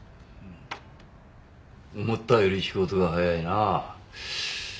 思ったより仕事が早いな。